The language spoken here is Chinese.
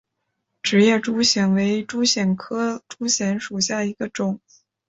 直叶珠藓为珠藓科珠藓属下的一个种。